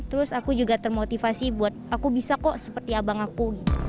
terus aku juga termotivasi buat aku bisa kok seperti abang aku